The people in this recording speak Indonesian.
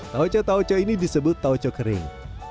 taucho taucho ini disebut taucho kering